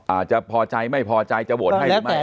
อาจจะพอใจไม่พอใจจะโหวตให้หรือไม่